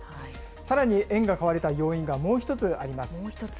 さらに円が買われた要因がもう一もう一つ。